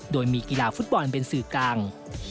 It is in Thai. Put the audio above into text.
โดยมีกีฬาฟุตบอลเป็นสื่อกลาง